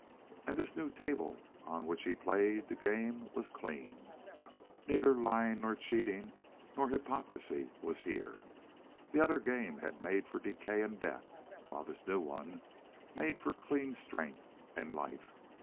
And this new table on which he played the game was clean. Neither lying, nor cheating, nor hypocrisy was here. The other game had made for decay and death, while this new one made for clean strength and life.